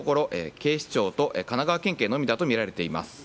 警視庁と神奈川県警のみだとみられています。